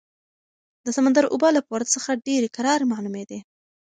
د سمندر اوبه له پورته څخه ډېرې کرارې معلومېدې.